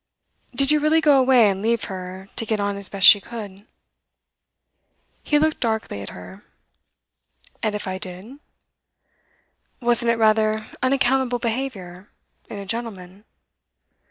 Did you really go away and leave her to get on as best she could?' He looked darkly at her. 'And if I did?' 'Wasn't it rather unaccountable behaviour in a gentleman?